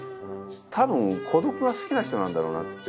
たぶん孤独が好きな人なんだろうなって